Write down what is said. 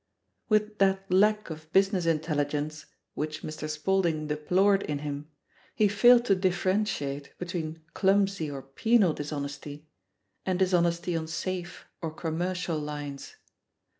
With that lack of business intelligence which Mr. Spaulding deplored in him, he failed to differentiate between clumsy or penal dis honesty and dishonesty on safe or commercial lines.